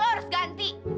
lo harus ganti